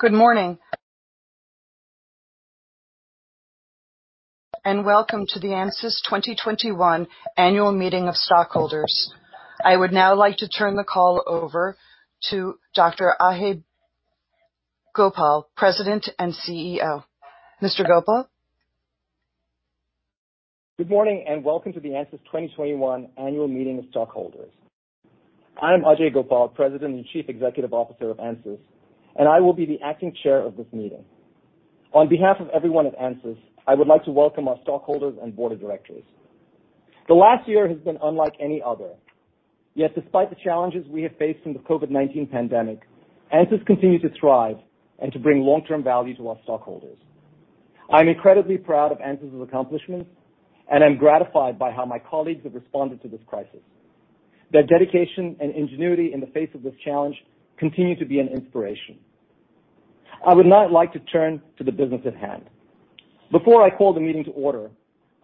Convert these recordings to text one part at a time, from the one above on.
Good morning, and welcome to the Ansys 2021 annual meeting of stockholders. I would now like to turn the call over to Dr. Ajei Gopal, President and CEO. Mr. Gopal? Good morning, and welcome to the Ansys 2021 annual meeting of stockholders. I'm Ajei Gopal, President and Chief Executive Officer of Ansys, and I will be the acting chair of this meeting. On behalf of everyone at Ansys, I would like to welcome our stockholders and board of directors. The last year has been unlike any other. Yet, despite the challenges we have faced from the COVID-19 pandemic, Ansys continues to thrive and to bring long-term value to our stockholders. I'm incredibly proud of Ansys's accomplishments, and I'm gratified by how my colleagues have responded to this crisis. Their dedication and ingenuity in the face of this challenge continue to be an inspiration. I would now like to turn to the business at hand. Before I call the meeting to order,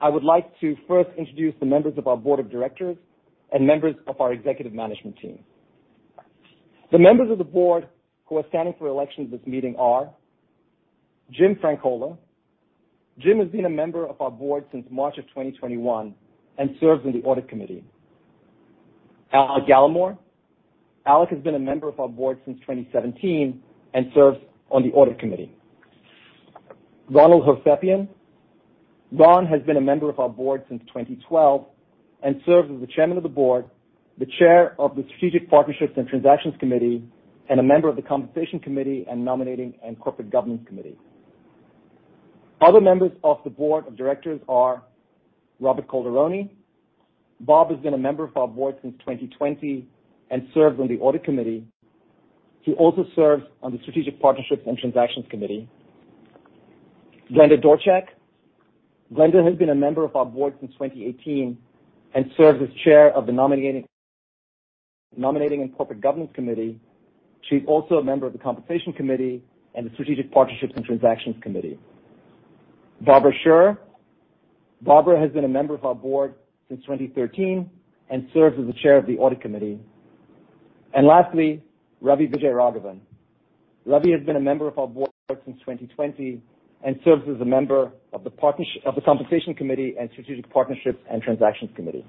I would like to first introduce the members of our Board of Directors and members of our executive management team. The members of the Board who are standing for election this meeting are Jim Frankola. Jim has been a member of our Board since March of 2021 and serves on the Audit Committee. Alec Gallimore. Alec has been a member of our Board since 2017 and serves on the Audit Committee. Ronald Hovsepian. Ron has been a member of our Board since 2012 and serves as the Chairman of the Board, the Chair of the Strategic Partnerships and Transactions Committee, and a member of the Compensation Committee and Nominating and Corporate Governance Committee. Other members of the Board of Directors are Robert Calderoni. Bob has been a member of our Board since 2020 and serves on the Audit Committee. He also serves on the Strategic Partnerships and Transactions Committee. Glenda Dorchak. Glenda has been a member of our board since 2018 and serves as Chair of the Nominating and Corporate Governance Committee. She's also a member of the Compensation Committee and the Strategic Partnerships and Transactions Committee. Barbara Scherer. Barbara has been a member of our board since 2013 and serves as the Chair of the audit committee. Lastly, Ravi Vijayaraghavan. Ravi has been a member of our board since 2020 and serves as a member of the Compensation Committee and Strategic Partnerships and Transactions Committee.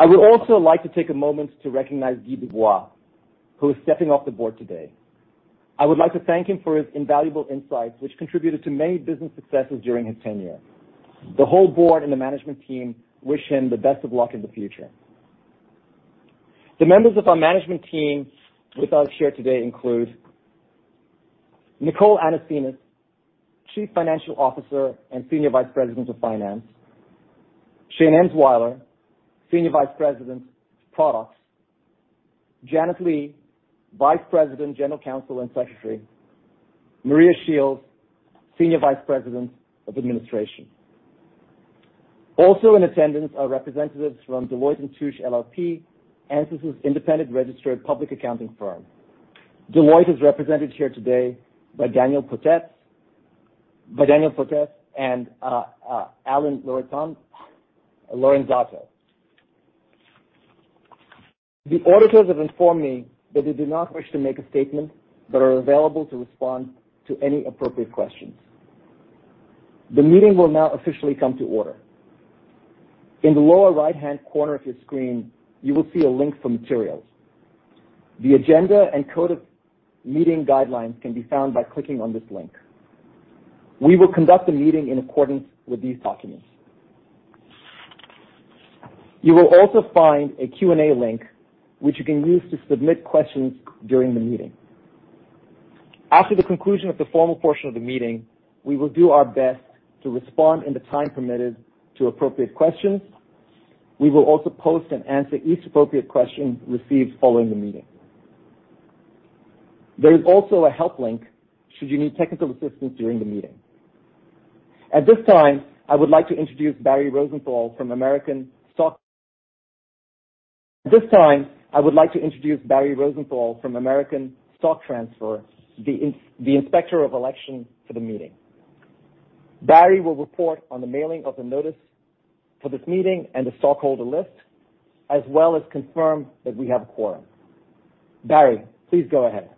I would also like to take a moment to recognize Guy Dubois, who is stepping off the board today. I would like to thank him for his invaluable insights, which contributed to many business successes during his tenure. The whole board and the management team wish him the best of luck in the future. The members of our management team with us here today include Nicole Anasenes, Chief Financial Officer and Senior Vice President of Finance, Shane Emswiler, Senior Vice President of Products, Janet Lee, Vice President, General Counsel, and Secretary, Maria Shields, Senior Vice President of Administration. Also in attendance are representatives from Deloitte & Touche LLP, Ansys's independent registered public accounting firm. Deloitte is represented here today by Daniel Potes and Allen Lorenzato. The auditors have informed me that they do not wish to make a statement, but are available to respond to any appropriate questions. The meeting will now officially come to order. In the lower right-hand corner of your screen, you will see a link for materials. The agenda and code of meeting guidelines can be found by clicking on this link. We will conduct the meeting in accordance with these documents. You will also find a Q&A link, which you can use to submit questions during the meeting. After the conclusion of the formal portion of the meeting, we will do our best to respond in the time permitted to appropriate questions. We will also post and answer each appropriate question received following the meeting. There is also a help link should you need technical assistance during the meeting. At this time, I would like to introduce Barry Rosenthal from American Stock Transfer, the inspector of election for the meeting. Barry will report on the mailing of the notice for this meeting and the stockholder list, as well as confirm that we have a quorum. Barry, please go ahead.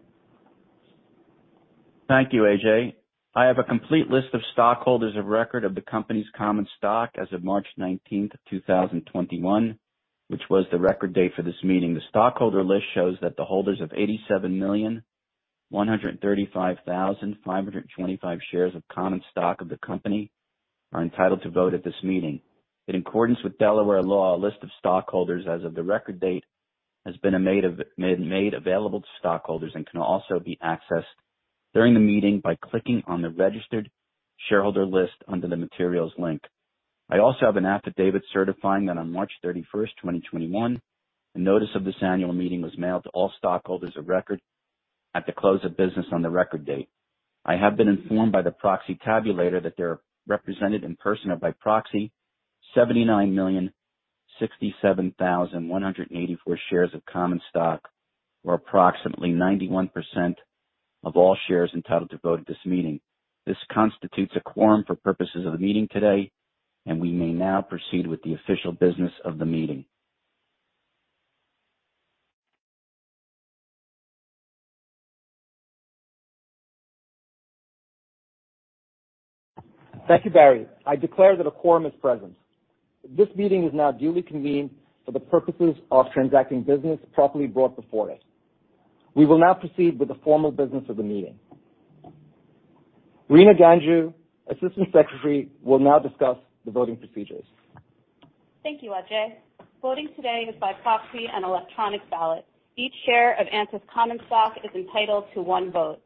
Thank you, Ajei. I have a complete list of stockholders of record of the company's common stock as of March 19th, 2021, which was the record date for this meeting. The stockholder list shows that the holders of 87,135,525 shares of common stock of the company are entitled to vote at this meeting. In accordance with Delaware law, a list of stockholders as of the record date has been made available to stockholders and can also be accessed during the meeting by clicking on the registered shareholder list under the materials link. I also have an affidavit certifying that on March 31st, 2021, the notice of this annual meeting was mailed to all stockholders of record at the close of business on the record date. I have been informed by the proxy tabulator that they're represented in person or by proxy 79,067,184 shares of common stock, or approximately 91% of all shares entitled to vote at this meeting. This constitutes a quorum for purposes of the meeting today, and we may now proceed with the official business of the meeting. Thank you, Barry. I declare that a quorum is present. This meeting is now duly convened for the purposes of transacting business properly brought before us. We will now proceed with the formal business of the meeting. Rena Ganjhu, Assistant Secretary, will now discuss the voting procedures. Thank you, Ajei. Voting today is by proxy and electronic ballot. Each share of Ansys common stock is entitled to one vote.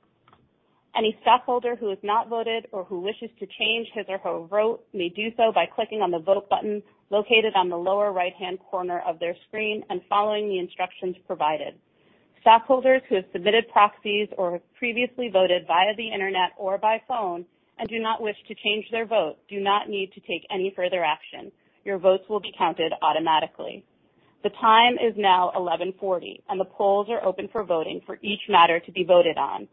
Any stockholder who has not voted or who wishes to change his or her vote may do so by clicking on the Vote button located on the lower right-hand corner of their screen and following the instructions provided. Stockholders who have submitted proxies or have previously voted via the internet or by phone and do not wish to change their vote do not need to take any further action. Your votes will be counted automatically. The time is now 11:40 A.M., and the polls are open for voting for each matter to be voted on.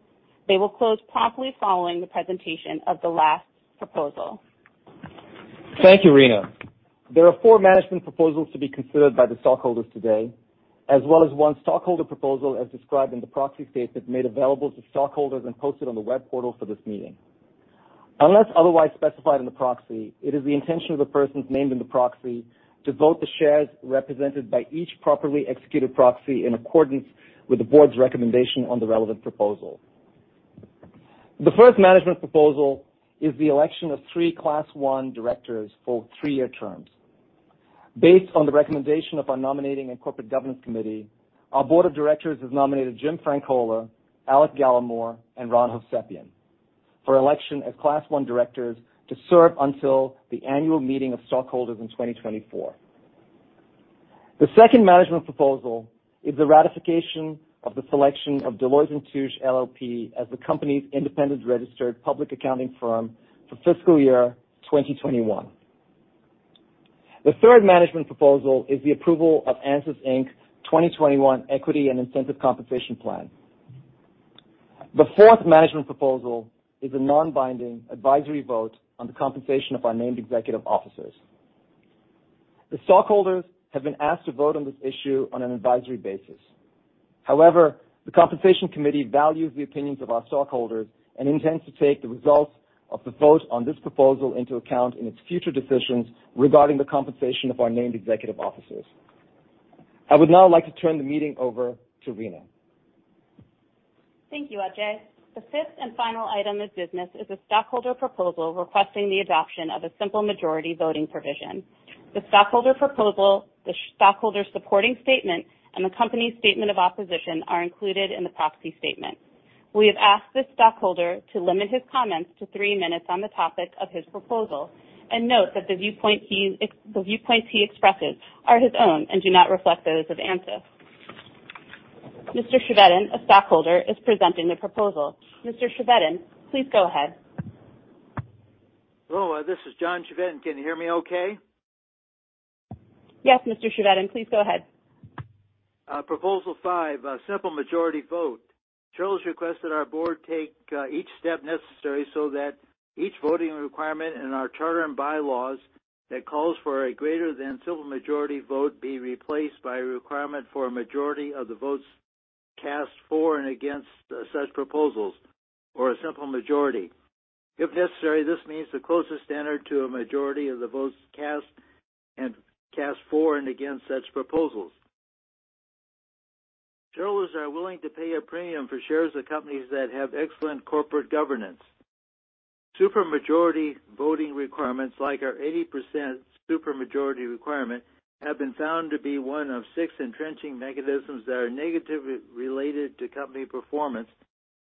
They will close promptly following the presentation of the last proposal. Thank you, Rena. There are four management proposals to be considered by the stockholders today, as well as one stockholder proposal as described in the proxy statement made available to stockholders and posted on the web portal for this meeting. Unless otherwise specified in the proxy, it is the intention of the persons named in the proxy to vote the shares represented by each properly executed proxy in accordance with the board's recommendation on the relevant proposal. The first management proposal is the election of three Class I directors for three-year terms. Based on the recommendation of our Nominating and Corporate Governance Committee, our Board of Directors has nominated Jim Frankola, Alec Gallimore, and Ronald Hovsepian for election as Class I directors to serve until the annual meeting of stockholders in 2024. The second management proposal is the ratification of the selection of Deloitte & Touche LLP as the company's independent registered public accounting firm for fiscal year 2021. The third management proposal is the approval of Ansys, Inc's 2021 Equity and Incentive Compensation Plan. The fourth management proposal is a non-binding advisory vote on the compensation of our named executive officers. The stockholders have been asked to vote on this issue on an advisory basis. However, the Compensation Committee values the opinions of our stockholders and intends to take the results of the vote on this proposal into account in its future decisions regarding the compensation of our named executive officers. I would now like to turn the meeting over to Rena. Thank you, Ajei. The fifth and final item of business is a stockholder proposal requesting the adoption of a simple majority voting provision. The stockholder proposal, the stockholder's supporting statement, and the company's statement of opposition are included in the proxy statement. We have asked the stockholder to limit his comments to three minutes on the topic of his proposal and note that the viewpoints he expresses are his own and do not reflect those of Ansys. Mr. Chevedden, a stockholder, is presenting the proposal. Mr. Chevedden, please go ahead. Hello, this is John Chevedden. Can you hear me okay? Yes, Mr. Chevedden. Please go ahead. Proposal five, simple majority vote. Shareholders request that our board take each step necessary so that each voting requirement in our charter and bylaws that calls for a greater than simple majority vote be replaced by a requirement for a majority of the votes cast for and against such proposals or a simple majority. If necessary, this means the closest standard to a majority of the votes cast for and against such proposals. Shareholders are willing to pay a premium for shares of companies that have excellent corporate governance. Super majority voting requirements, like our 80% super majority requirement, have been found to be one of six entrenching mechanisms that are negatively related to company performance,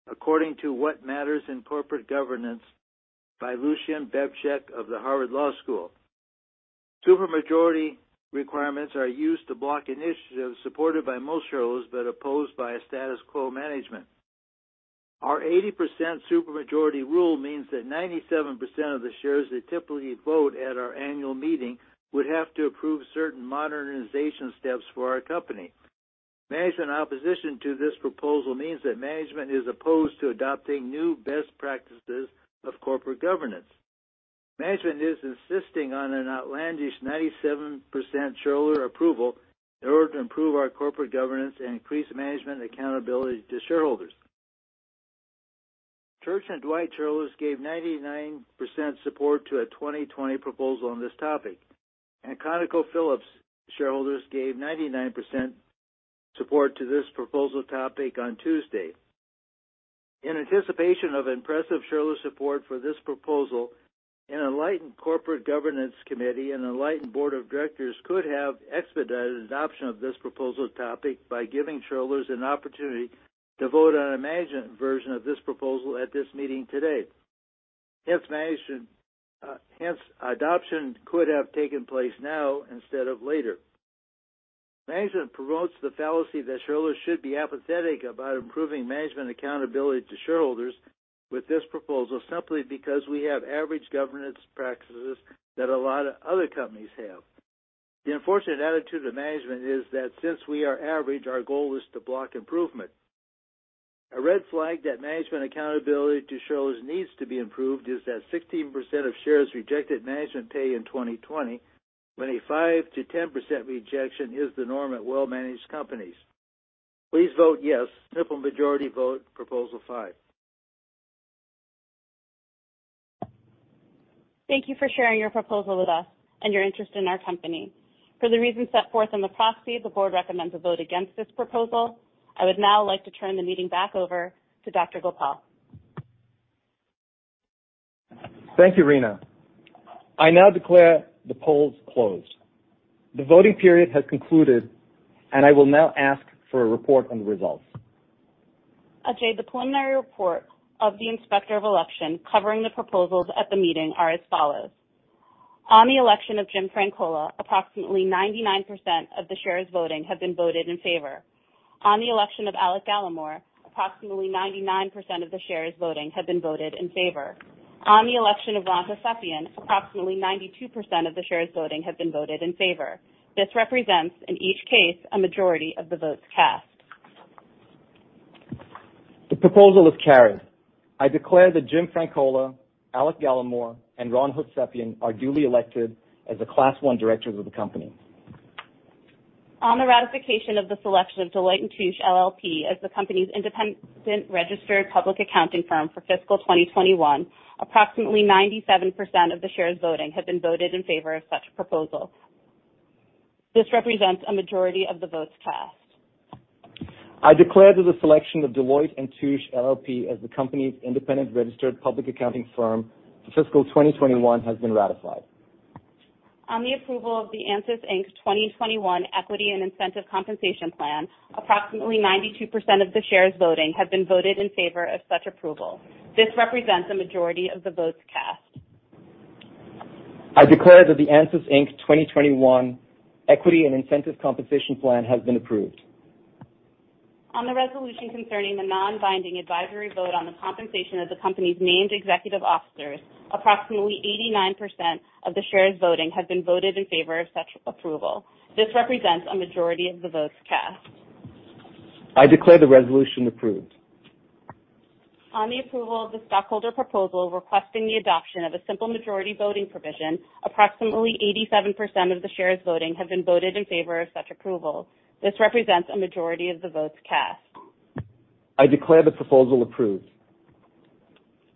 according to What Matters in Corporate Governance by Lucian Bebchuk of the Harvard Law School. Super majority requirements are used to block initiatives supported by most shareholders but opposed by a status quo management. Our 80% supermajority rule means that 97% of the shares that typically vote at our annual meeting would have to approve certain modernization steps for our company. Management opposition to this proposal means that management is opposed to adopting new best practices of corporate governance. Management is insisting on an outlandish 97% shareholder approval in order to improve our corporate governance and increase management accountability to shareholders. Church & Dwight shareholders gave 99% support to a 2020 proposal on this topic, and ConocoPhillips shareholders gave 99% support to this proposal topic on Tuesday. In anticipation of impressive shareholder support for this proposal, an enlightened corporate governance committee and enlightened board of directors could have expedited adoption of this proposal topic by giving shareholders an opportunity to vote on a management version of this proposal at this meeting today. Hence, adoption could have taken place now instead of later. Management promotes the fallacy that shareholders should be apathetic about improving management accountability to shareholders with this proposal simply because we have average governance practices that a lot of other companies have. The unfortunate attitude of management is that since we are average, our goal is to block improvement. A red flag that management accountability to shareholders needs to be improved is that 16% of shares rejected management pay in 2020, when a 5%-10% rejection is the norm at well-managed companies. Please vote yes. Simple majority vote, proposal five. Thank you for sharing your proposal with us and your interest in our company. For the reasons set forth in the proxy, the board recommends a vote against this proposal. I would now like to turn the meeting back over to Dr. Gopal. Thank you, Rena. I now declare the polls closed. The voting period has concluded. I will now ask for a report on the results. Ajei, the preliminary report of the Inspector of Election covering the proposals at the meeting are as follows. On the election of Jim Frankola, approximately 99% of the shares voting have been voted in favor. On the election of Alec Gallimore, approximately 99% of the shares voting have been voted in favor. On the election of Ronald Hovsepian, approximately 92% of the shares voting have been voted in favor. This represents, in each case, a majority of the votes cast. The proposal is carried. I declare that Jim Frankola, Alec Gallimore, and Ronald Hovsepian are duly elected as the class one directors of the company. On the ratification of the selection of Deloitte & Touche LLP as the company's independent registered public accounting firm for fiscal 2021, approximately 97% of the shares voting have been voted in favor of such proposal. This represents a majority of the votes cast. I declare that the selection of Deloitte & Touche LLP as the company's independent registered public accounting firm for fiscal 2021 has been ratified. On the approval of the Ansys, Inc 2021 Equity and Incentive Compensation Plan, approximately 92% of the shares voting have been voted in favor of such approval. This represents a majority of the votes cast. I declare that the Ansys, Inc 2021 Equity and Incentive Compensation Plan has been approved. On the resolution concerning the non-binding advisory vote on the compensation of the company's named executive officers, approximately 89% of the shares voting have been voted in favor of such approval. This represents a majority of the votes cast. I declare the resolution approved. On the approval of the stockholder proposal requesting the adoption of a simple majority voting provision, approximately 87% of the shares voting have been voted in favor of such approval. This represents a majority of the votes cast. I declare the proposal approved.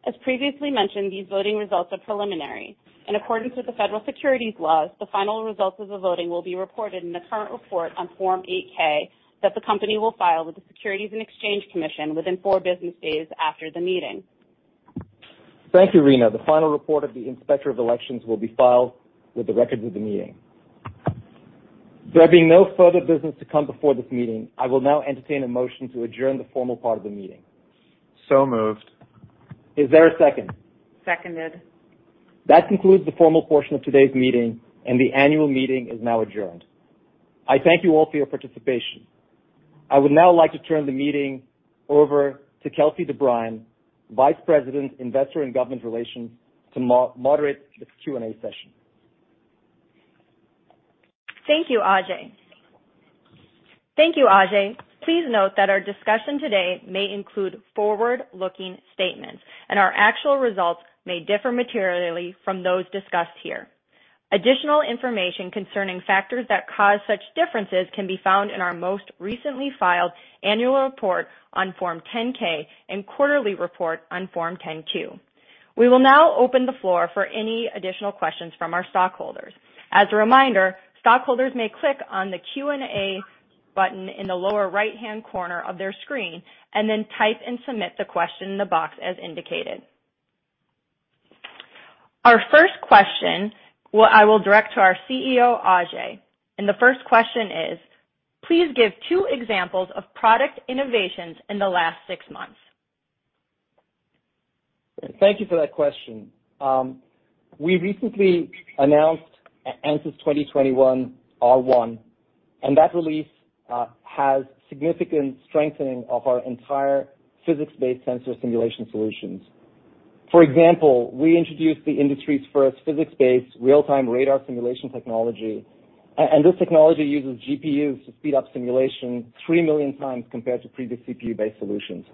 As previously mentioned, these voting results are preliminary. In accordance with the federal securities laws, the final results of the voting will be reported in the current report on Form 8-K that the company will file with the Securities and Exchange Commission within four business days after the meeting. Thank you, Rena. The final report of the Inspector of Elections will be filed with the records of the meeting. There being no further business to come before this meeting, I will now entertain a motion to adjourn the formal part of the meeting. Moved. Is there a second? Seconded. That concludes the formal portion of today's meeting. The annual meeting is now adjourned. I thank you all for your participation. I would now like to turn the meeting over to Kelsey DeBriyn, Vice President, Investor and Government Relations, to moderate the Q&A session. Thank you, Ajei. Please note that our discussion today may include forward-looking statements and our actual results may differ materially from those discussed here. Additional information concerning factors that cause such differences can be found in our most recently filed annual report on Form 10-K and quarterly report on Form 10-Q. We will now open the floor for any additional questions from our stockholders. As a reminder, stockholders may click on the Q&A button in the lower right-hand corner of their screen and then type and submit the question in the box as indicated. Our first question, I will direct to our CEO, Ajei, and the first question is: Please give two examples of product innovations in the last six months. Thank you for that question. We recently announced Ansys 2021 R1. That release has significant strengthening of our entire physics-based sensor simulation solutions. For example, we introduced the industry's first physics-based real-time radar simulation technology. This technology uses GPUs to speed up simulation 3 million times compared to previous CPU-based solutions.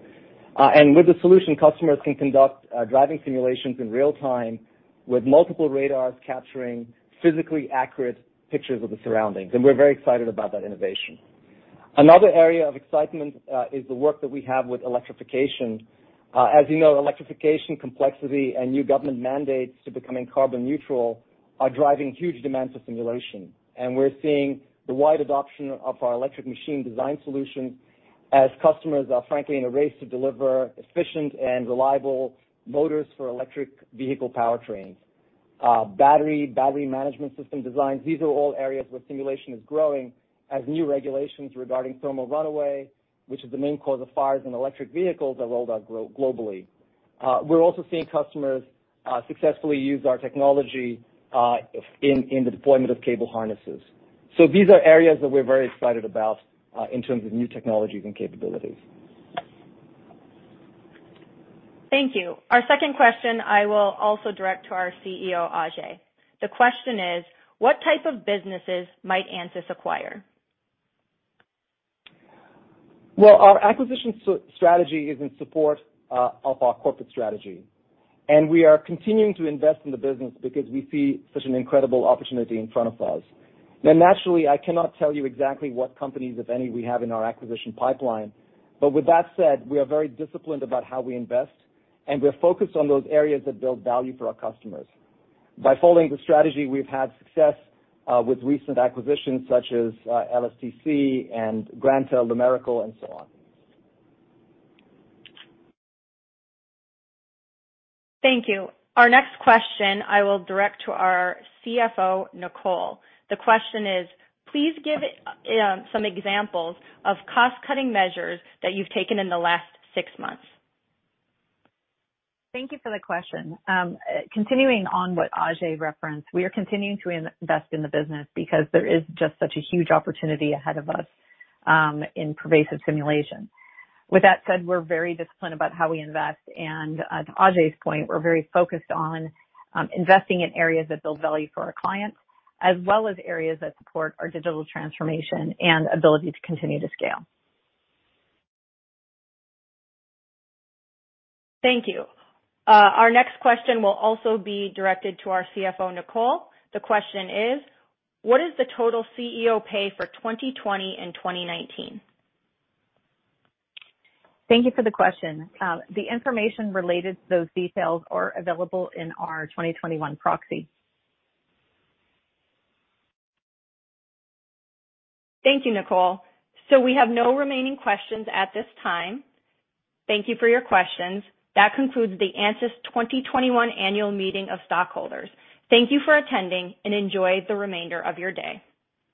With the solution, customers can conduct driving simulations in real time with multiple radars capturing physically accurate pictures of the surroundings. We're very excited about that innovation. Another area of excitement is the work that we have with electrification. As you know, electrification complexity and new government mandates to becoming carbon neutral are driving huge demands for simulation. We're seeing the wide adoption of our electric machine design solution as customers are frankly in a race to deliver efficient and reliable motors for electric vehicle powertrains. Battery management system designs, these are all areas where simulation is growing as new regulations regarding thermal runaway, which is the main cause of fires in electric vehicles, are rolled out globally. We're also seeing customers successfully use our technology in the deployment of cable harnesses. These are areas that we're very excited about in terms of new technologies and capabilities. Thank you. Our second question I will also direct to our CEO, Ajei Gopal. The question is: what type of businesses might Ansys acquire? Well, our acquisition strategy is in support of our corporate strategy, we are continuing to invest in the business because we see such an incredible opportunity in front of us. Naturally, I cannot tell you exactly what companies, if any, we have in our acquisition pipeline. With that said, we are very disciplined about how we invest, we're focused on those areas that build value for our customers. By following the strategy, we've had success with recent acquisitions such as LSTC and Granta Design, Lumerical, and so on. Thank you. Our next question I will direct to our CFO, Nicole. The question is: please give some examples of cost-cutting measures that you've taken in the last six months. Thank you for the question. Continuing on what Ajei referenced, we are continuing to invest in the business because there is just such a huge opportunity ahead of us in pervasive simulation. With that said, we're very disciplined about how we invest, and to Ajei's point, we're very focused on investing in areas that build value for our clients, as well as areas that support our digital transformation and ability to continue to scale. Thank you. Our next question will also be directed to our CFO, Nicole. The question is: what is the total CEO pay for 2020 and 2019? Thank you for the question. The information related to those details are available in our 2021 proxy. Thank you, Nicole. We have no remaining questions at this time. Thank you for your questions. That concludes the Ansys 2021 annual meeting of stockholders. Thank you for attending, and enjoy the remainder of your day.